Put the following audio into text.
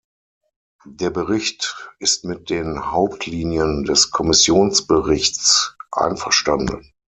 Der Bericht ist mit den Hauptlinien des Kommissionsberichts einverstanden.